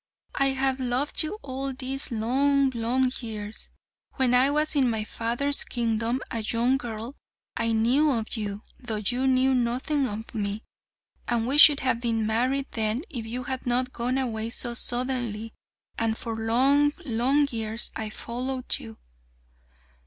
I have loved you all these long, long years. When I was in my father's kingdom a young girl, I knew of you, though you knew nothing of me, and we should have been married then if you had not gone away so suddenly, and for long, long years I followed you."